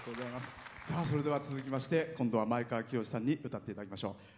さあそれでは続きまして今度は前川清さんに歌って頂きましょう。